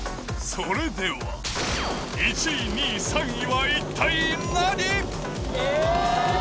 それでは、１位、２位、３位は一体何。